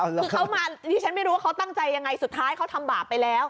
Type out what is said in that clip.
คือเขามาดิฉันไม่รู้ว่าเขาตั้งใจยังไงสุดท้ายเขาทำบาปไปแล้ว